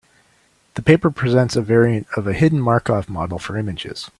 The paper presents a variant of a hidden Markov model for images.